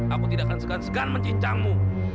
aku tidak akan segan segan mencincangmu